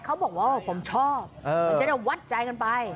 เขาบอกว่าผมชอบมันจะได้วัดใจกันไป